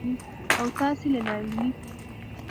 او تاسې له ناهيلۍ